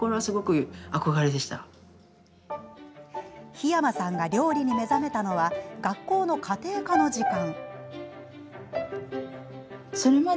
桧山さんが料理に目覚めたのは学校の家庭科の時間。